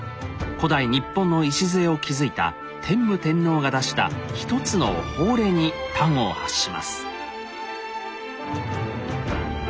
古代日本の礎を築いた天武天皇が出した一つの法令に端を発します。